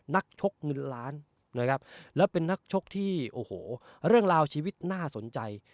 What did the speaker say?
นักชกเงินล้านนะครับแล้วเป็นนักชกที่โอ้โหเรื่องราวชีวิตน่าสนใจ